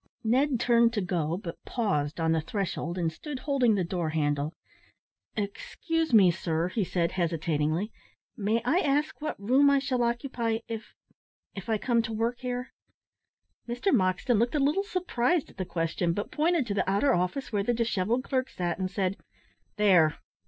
Ned turned to go, but paused on the threshold, and stood holding the door handle. "Excuse me, sir," he said, hesitatingly, "may I ask what room I shall occupy, if if I come to work here?" Mr Moxton looked a little surprised at the question, but pointed to the outer office where the dishevelled clerk sat, and said, "There."